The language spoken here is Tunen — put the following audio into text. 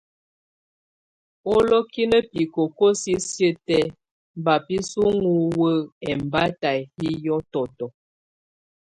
Olokinə bikoko sisiə tɛ ba bɛsɔnŋɔ wə ɛmbata yɛ hiɔtɔtɔ.